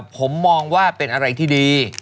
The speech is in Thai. ผมมองว่าเป็นอะไรที่ดี